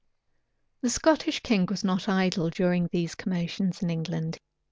The Scottish king was not idle during these commotions in England.